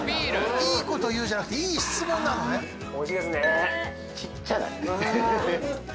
いいこと言うじゃなくていい質問なのね美味しいですねちっちゃない？